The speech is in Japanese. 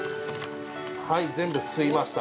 はい、全部吸いました。